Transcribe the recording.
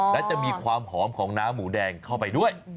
และจะมีความหอมของน้ำหมูแดงเข้าไปด้วย